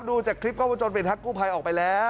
ดูจากคลิปกล้องวนจนตะกรูไพออกไปแล้ว